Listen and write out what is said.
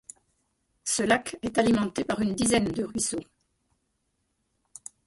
Ce lac est alimenté par une dizaine de ruisseaux.